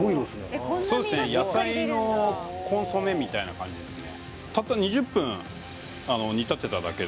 野菜のコンソメみたいな感じですね。